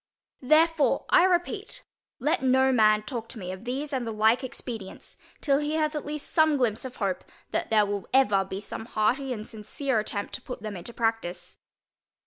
Therefore I repeat, let no man talk to me of these and the like expedients, till he hath at least some glympse of hope, that there will ever be some hearty and sincere attempt to put them into practice.